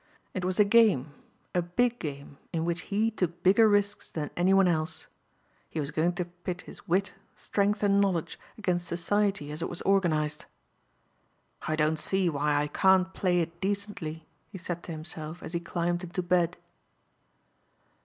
It was a game, a big game in which he took bigger risks than any one else. He was going to pit his wit, strength and knowledge against society as it was organized. "I don't see why I can't play it decently," he said to himself as he climbed into bed.